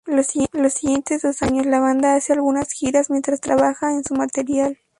Los Siguientes dos años, la banda hace algunas giras mientras trabaja en su material.